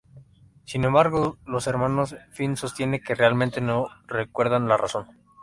Sin embargo, los hermanos Finn sostienen que realmente no recuerdan la razón.